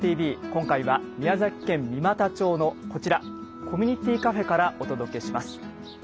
今回は宮崎県三股町のこちらコミュニティーカフェからお届けします。